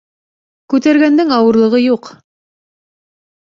Күтәргәндең ауырлығы юҡ.